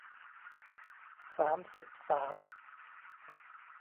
สามสิบสาม